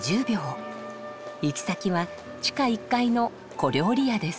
行き先は地下１階の小料理屋です。